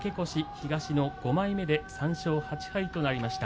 東の５枚目で３勝８敗となりました。